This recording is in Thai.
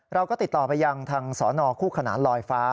เราก็ติดต่อไปยังทางสนคู่ขนานลอยฟ้า